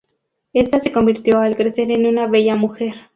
Esta se convirtió al crecer en una bella mujer.